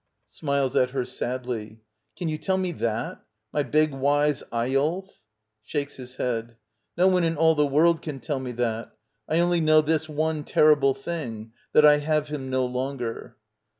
[Smiles at her sadly.] Can you tell me that — my big, wise Eyolf? [Shakes his head.] No one in all the world can tell me that. I only know this one terrible thing — that I have him no longer.